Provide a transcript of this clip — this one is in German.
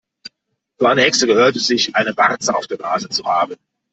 Für eine Hexe gehört es sich, eine Warze auf der Nase zu haben.